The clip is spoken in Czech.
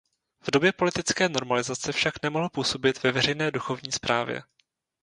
V době politické normalizace však nemohl působit ve veřejné duchovní správě.